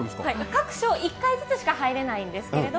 各所１回ずつしか入れないんですけれども。